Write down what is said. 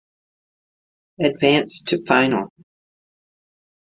Advanced to final